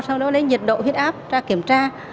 sau đó lấy nhiệt độ huyết áp ra kiểm tra